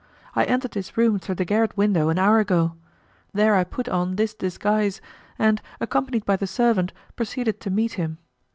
I entered his room through the garret window an hour ago. There I put on this disguise, and, accompanied by the servant, proceeded to meet him.